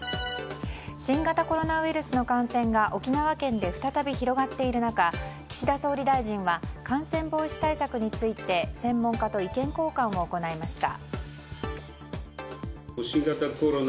新型コロナウイルスの感染が沖縄県で再び広がっている中岸田総理大臣は感染防止対策について専門家と意見交換を行いました。